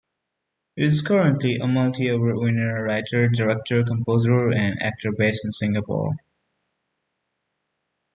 He is currently a multi-award-winning writer, director, composer and actor based in Singapore.